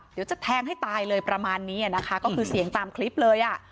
เดี๋ยวจะแทงให้ตายเลยประมาณนี้อ่ะนะคะก็คือเสียงตามคลิปเลยอ่ะ